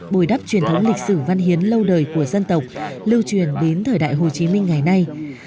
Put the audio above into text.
bồi đắp truyền thống lịch sử văn hiến lâu đời của dân tộc lưu truyền đến thời đại hồ chí minh ngày nay